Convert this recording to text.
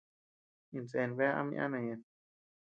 Insë bea ama yana ñeʼen.